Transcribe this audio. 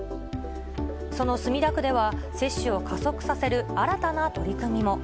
その墨田区では、接種を加速させる新たな取り組みも。